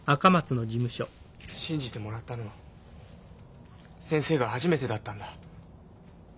信じてもらったの先生が初めてだったんだ。